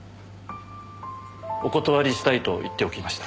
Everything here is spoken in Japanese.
お断りしたいと言っておきました。